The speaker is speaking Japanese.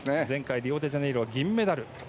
リオデジャネイロで銀メダル。